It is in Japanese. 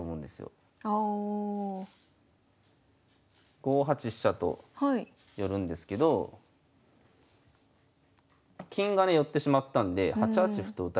５八飛車と寄るんですけど金がね寄ってしまったんで８八歩と打たれたときに。